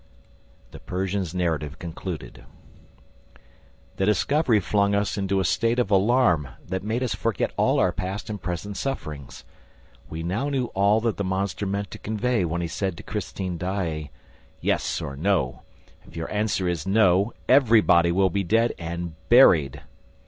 THE PERSIAN'S NARRATIVE CONCLUDED The discovery flung us into a state of alarm that made us forget all our past and present sufferings. We now knew all that the monster meant to convey when he said to Christine Daae: "Yes or no! If your answer is no, everybody will be dead AND BURIED!"